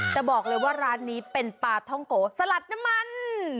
แต่บอกเลยว่าร้านนี้เป็นปลาท่องโกสลัดน้ำมัน